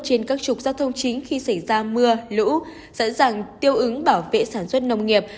trên các trục giao thông chính khi xảy ra mưa lũ sẵn sàng tiêu ứng bảo vệ sản xuất nông nghiệp